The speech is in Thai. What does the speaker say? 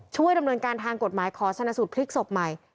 ช่วยรำนวนการทางกฎหมายคอชนะสูตรคลิกศพใหม่